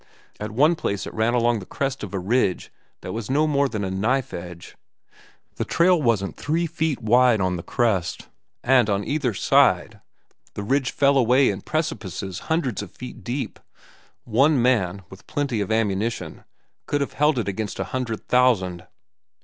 At one place it ran along the crest of a ridge that was no more than a knife edge. The trail wasn't three feet wide on the crest, and on either side the ridge fell away in precipices hundreds of feet deep. One man, with plenty of ammunition, could have held it against a hundred thousand.